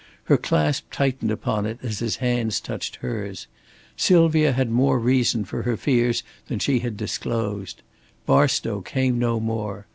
Her clasp tightened upon it as his hands touched hers. Sylvia had more reason for her fears than she had disclosed. Barstow came no more.